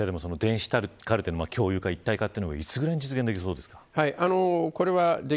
電子カルテの共有化、一体化はいつぐらいに実現できそうですか。